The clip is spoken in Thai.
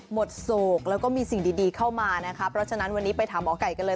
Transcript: โศกแล้วก็มีสิ่งดีเข้ามานะคะเพราะฉะนั้นวันนี้ไปถามหมอไก่กันเลย